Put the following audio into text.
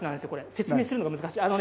説明するのが難しい。